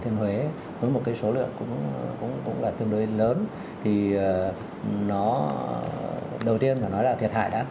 nó tương đối thấp